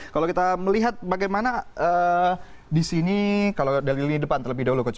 kalau kita melihat bagaimana di sini kalau dari lini depan terlebih dahulu coach